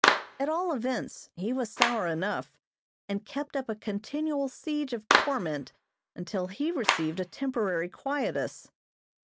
At all events, he was sour enough, and kept up a continual siege of torment until he received a temporary quietus.